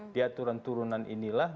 di aturan turunan inilah